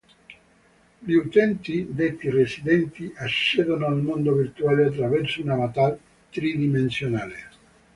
Gli utenti, detti "residenti", accedono al mondo virtuale attraverso un avatar tridimensionale.